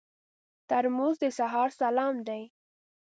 ترموز د سهار سلام دی.